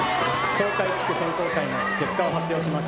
東海地区選考会の結果を発表します